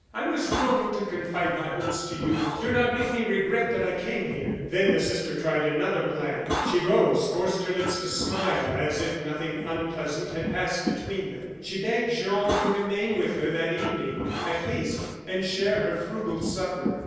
I was wrong to confide my hopes to you. Do not make me regret that I came here." Then the sister tried another plan. She rose, forced her lips to smile, and as if nothing unpleasant had passed between them, she begged Jean to remain with her that evening, at least, and share her frugal supper.